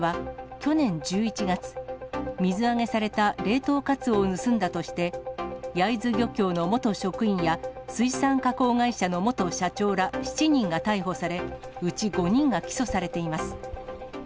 焼津漁港でのカツオの窃盗事件を巡っては、去年１１月、水揚げされた冷凍カツオを盗んだとして、焼津漁協の元職員や、水産加工会社の元社長ら７人が逮捕され、うち５人が起訴されています。